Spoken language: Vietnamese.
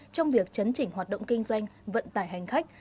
trong việc chấn chỉnh hoạt động kinh doanh vận tải hành khách